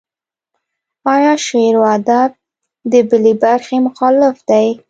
ایا شعر و ادب د بلې برخې مخالف دی.